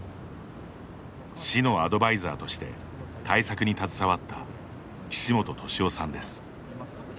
市のアドバイザーとして対策に携わった岸本年郎さんです。